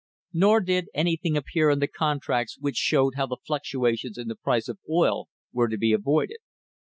Nor did any thing appear in the contracts which showed how the fluctua tions in the price of oil were to be avoided.